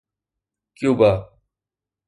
Cuba